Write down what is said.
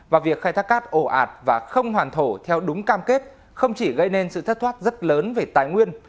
và việc khai thác cát ồ ạt và không hoàn thổ theo đúng cam kết không chỉ gây nên sự thất thoát rất lớn về tài nguyên